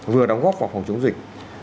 vừa đóng góp vào phòng chống dịch